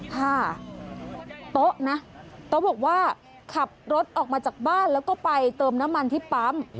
ค่ะโต๊ะนะโต๊ะบอกว่าขับรถออกมาจากบ้านแล้วก็ไปเติมน้ำมันที่ปั๊ม